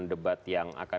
debat yang akan